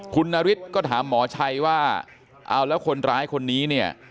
คุณนฤทธิ์ก็ถามหมอชัยว่าเอาแล้วคนร้ายคนนี้เนี่ย